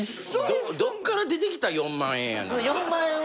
どっから出てきた４万円やねん。